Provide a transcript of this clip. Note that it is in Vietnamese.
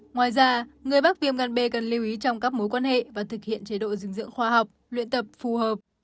ngoài ra người bác viêm gan b cần lưu ý trong các mối quan hệ và thực hiện chế độ dinh dưỡng khoa học luyện tập phù hợp